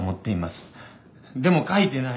でも書いてない。